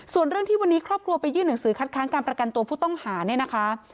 ส่วนเรื่องที่วันนี้ครอบครัวไปยื่นหนังสือคัดค้างการประกันตัวผู้ต้องหาเนี่ยนะคะ